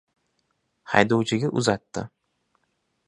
Haydovchiga uzatdi.